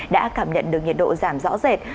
đã cảm nhận được nhiệt độ giảm rõ rệt